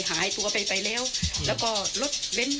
หายตัวไปไปแล้วแล้วก็รถเบ้น